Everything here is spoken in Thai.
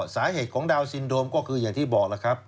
สาเหตุของดาวนซินโดมก็คืออย่างที่บอกแล้วครับ